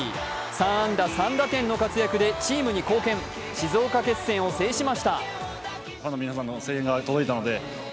３安打３打点の活躍でチームに貢献、静岡決戦を制しました。